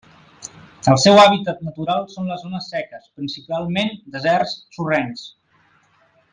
El seu hàbitat natural són les zones seques, principalment deserts sorrencs.